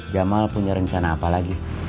jamal punya rencana apa lagi